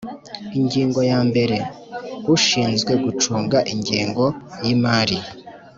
Ingingo ya mbere Ushinzwe gucunga ingengo y imari